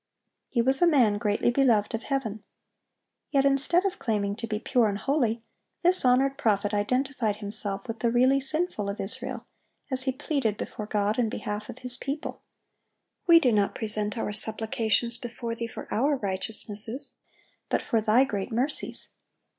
He was a man "greatly beloved"(803) of Heaven. Yet instead of claiming to be pure and holy, this honored prophet identified himself with the really sinful of Israel, as he pleaded before God in behalf of his people: "We do not present our supplications before Thee for our righteousnesses, but for Thy great mercies."